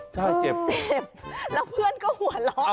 มีเพื่อนก็หัวล้อ